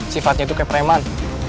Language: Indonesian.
sifatnya itu kayak preman